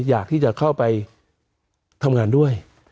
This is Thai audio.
อยากที่จะเข้าไปทำงานด้วย